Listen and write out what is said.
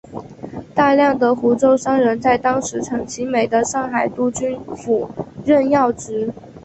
大量的湖州商人在当时陈其美的上海督军府任要职。